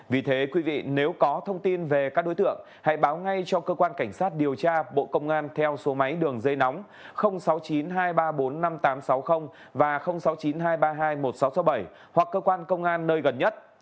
vì thế quý vị nếu có thông tin về các đối tượng hãy báo ngay cho cơ quan cảnh sát điều tra bộ công an theo số máy đường dây nóng sáu mươi chín hai trăm ba mươi bốn năm nghìn tám trăm sáu mươi và sáu mươi chín hai trăm ba mươi hai một nghìn sáu trăm sáu mươi bảy hoặc cơ quan công an nơi gần nhất